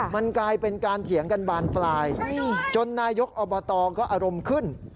มันกลายเป็นการเถียงกันบานปลายจนนายกอบตก็อารมณ์ขึ้น